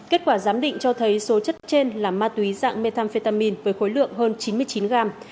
kết quả giám định cho thấy số chất trên là ma túy dạng methamphetamin với khối lượng hơn chín mươi chín gram